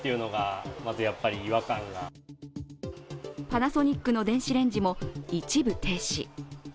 パナソニックの電子レンジも一部停止。